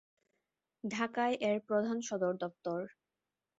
ঢাকায় এর প্রধান সদর দফতর।